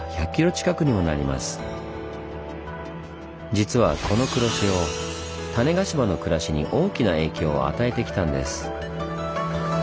実はこの黒潮種子島の暮らしに大きな影響を与えてきたんです。